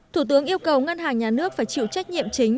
thủ tướng yêu cầu ngân hàng nhà nước phải chịu trách nhiệm chính